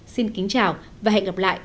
xin kính chào và hẹn gặp lại